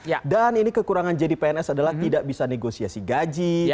yang keempat adalah tidak bisa negosiasi gaji